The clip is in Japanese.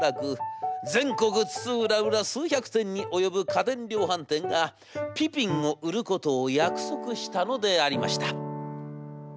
全国津々浦々数百店に及ぶ家電量販店がピピンを売ることを約束したのでありました。